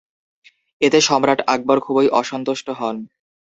এতে সম্রাট আকবর খুবই অসন্তুষ্ট হন।